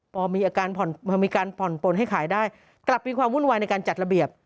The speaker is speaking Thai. พอมีการผ่อนปนให้ขายได้กลับมีความวุ่นวายในการจัดระเบียบ